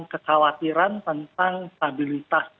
kekhawatiran tentang stabilitas